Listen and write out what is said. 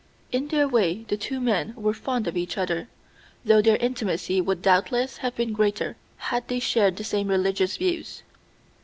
In their way the two men were fond of each other, though their intimacy would doubtless have been greater had they shared the same religious views.